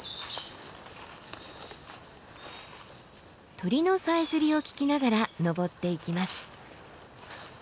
鳥のさえずりを聞きながら登っていきます。